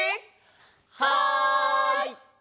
はい！